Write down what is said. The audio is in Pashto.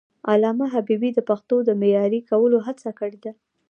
علامه حبيبي د پښتو د معیاري کولو هڅه کړې ده.